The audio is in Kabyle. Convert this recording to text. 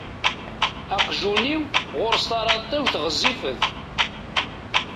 Aqjun-iw ɣur-s taṛatiwt ɣezzifet.